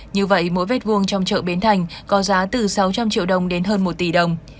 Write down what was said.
như vậy mỗi mét vuông trong chợ bến thành có giá từ sáu trăm linh triệu đồng đến hơn một tỷ đồng